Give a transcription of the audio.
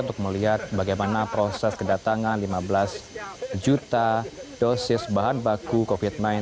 untuk melihat bagaimana proses kedatangan lima belas juta dosis bahan baku covid sembilan belas